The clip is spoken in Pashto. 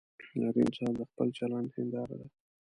هر انسان د خپل چلند هنداره ده.